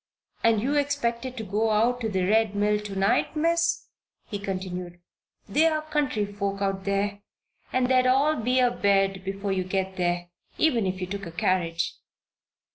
"And you expected to go out to the Red Mill to night, Miss?" he continued. "They're country folk out there and they'd all be abed before you could get there, even if you took a carriage."